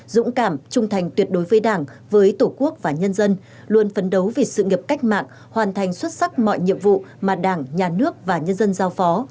dũng cảm trung thành tuyệt đối với đảng với tổ quốc và nhân dân luôn phấn đấu vì sự nghiệp cách mạng hoàn thành xuất sắc mọi nhiệm vụ mà đảng nhà nước và nhân dân giao phó